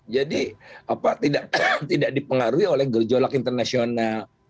jadi tidak dipengaruhi oleh gejolak internasional